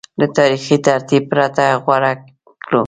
له تاریخي ترتیب پرته غوره کړو